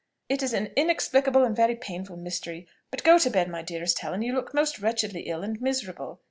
"It is an inexplicable and very painful mystery. But go to bed, my dearest Helen! you look most wretchedly ill and miserable."